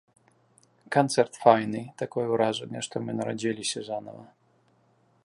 Канцэрт файны, такое ўражанне, што мы нарадзіліся занава!